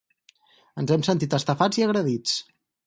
Ens hem sentit estafats i agredits.